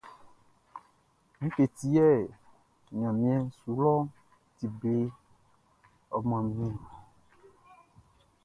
Ngue ti yɛ ɲanmiɛn su lɔʼn ti ble ɔ, manmi?